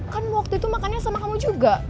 kan waktu itu makannya sama kamu juga